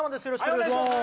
よろしくお願いします。